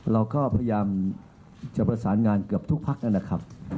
เราก็พยายามจะประสานงานเกือบทุกพักนั่นแหละครับ